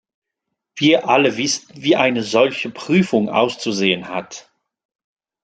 Wir alle wissen, wie eine solche Prüfung auszusehen hat.